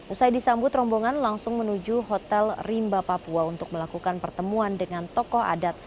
usai disambut rombongan langsung menuju hotel rimba papua untuk melakukan pertemuan dengan tokoh adat